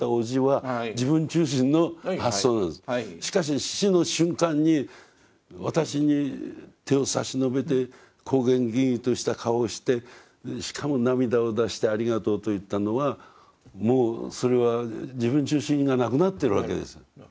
しかし死の瞬間に私に手を差し伸べて光顔巍々とした顔をしてしかも涙を出して「ありがとう」と言ったのはもうそれは自分中心がなくなってるわけです。ね。